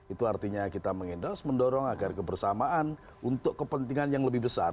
itu artinya kita mengendorse mendorong agar kebersamaan untuk kepentingan yang lebih besar